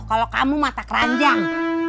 kalau kamu mata keranjang